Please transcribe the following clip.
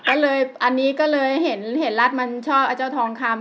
ก็เลยอันนี้ก็เลยเห็นรัฐมันชอบไอ้เจ้าทองคำ